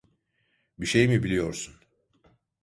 Bir şey mi biliyorsun?